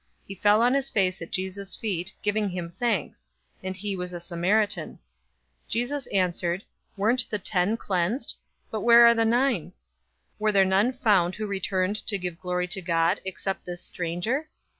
017:016 He fell on his face at Jesus' feet, giving him thanks; and he was a Samaritan. 017:017 Jesus answered, "Weren't the ten cleansed? But where are the nine? 017:018 Were there none found who returned to give glory to God, except this stranger?"